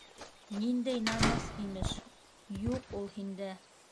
«ниндәй намыҫ» имеш... юҡ ул һиндә!